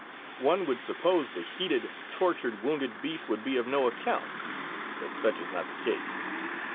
One would suppose the heated, tortured, wounded beef would be of no account, but such is not the case.